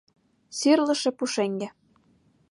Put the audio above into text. Сирлыше пушеҥге